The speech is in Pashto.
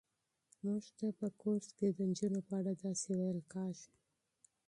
موږ ته په کورس کې د نجونو په اړه داسې ویل کېږي.